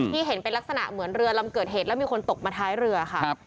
เห็นเป็นลักษณะเหมือนเรือลำเกิดเหตุแล้วมีคนตกมาท้ายเรือค่ะ